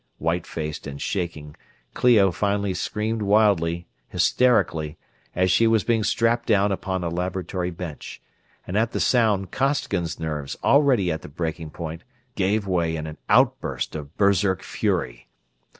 White faced and shaking, Clio finally screamed wildly, hysterically, as she was being strapped down upon a laboratory bench; and at the sound Costigan's nerves, already at the breaking point, gave way in an outburst of Berserk fury.